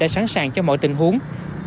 đã sẵn sàng cho mọi tình huống